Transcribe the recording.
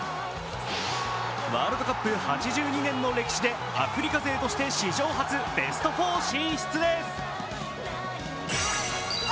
ワールドカップ８２年の歴史でアフリカ勢として史上初ベスト４進出です。